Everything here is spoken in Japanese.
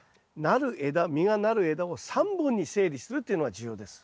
なる枝実がなる枝を３本に整理するっていうのが重要です。